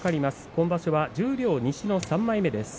今場所は十両、西の３枚目です。